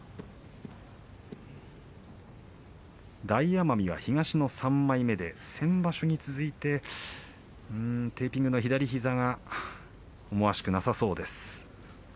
大奄美が東の３枚目で先場所に続いてテーピングの左膝が思わしくなさそうです。